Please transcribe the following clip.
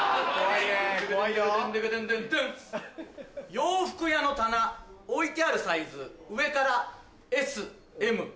洋服屋の棚置いてあるサイズ上からＳＭＬ。